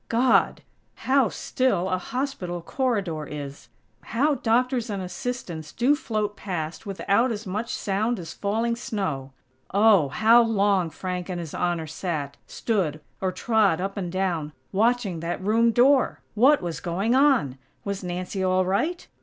God!! How still a hospital corridor is!! How doctors and assistants do float past without as much sound as falling snow! Oh! How long Frank and His Honor sat, stood, or trod up and down, watching that room door!! What was going on? Was Nancy all right?